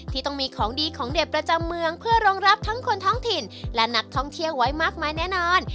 ที่ต้องมีของดีของเด็ดประจำเมืองเพื่อรองรับทั้งคนท้องถิ่นและนักท่องเที่ยวไว้มากมายแน่นอน